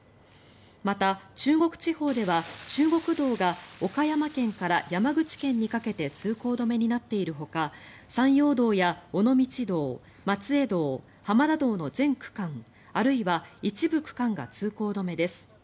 また、中国地方では中国道が岡山県から山口県にかけて通行止めになっているほか山陽道や尾道道、松江道浜田道の全区間あるいは一部区間が通行止めです。